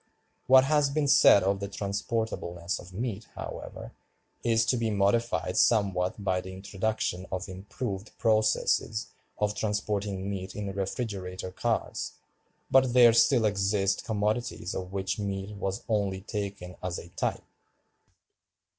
What has been said of the transportableness of meat, however, is to be modified somewhat by the introduction of improved processes of transporting meat in refrigerator cars; but there still exist commodities of which meat was only taken as a type.